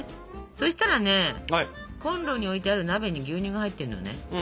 そしたらねコンロに置いてある鍋に牛乳が入ってるのね。